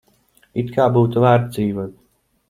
It kā būtu vērts dzīvot.